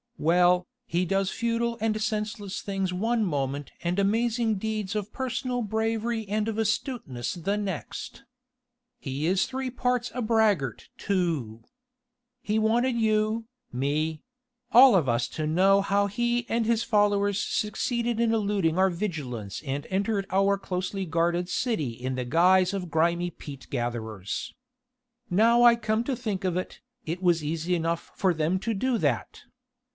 Well, he does futile and senseless things one moment and amazing deeds of personal bravery and of astuteness the next. He is three parts a braggart too. He wanted you, me all of us to know how he and his followers succeeded in eluding our vigilance and entered our closely guarded city in the guise of grimy peat gatherers. Now I come to think of it, it was easy enough for them to do that.